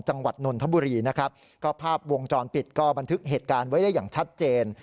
นนทบุรีนะครับก็ภาพวงจรปิดก็บันทึกเหตุการณ์ไว้ได้อย่างชัดเจน